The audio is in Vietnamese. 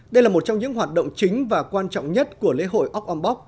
đây là một trong những hoạt động chính và quan trọng nhất của lễ hội óc âm bóc